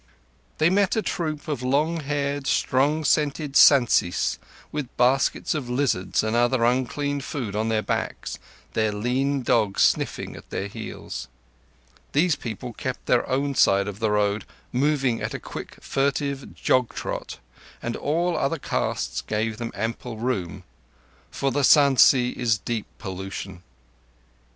They met a troop of long haired, strong scented Sansis with baskets of lizards and other unclean food on their backs, their lean dogs sniffing at their heels. These people kept their own side of the road, moving at a quick, furtive jog trot, and all other castes gave them ample room; for the Sansi is deep pollution.